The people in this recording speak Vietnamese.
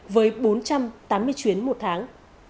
với bốn trăm tám mươi chuyến một tháng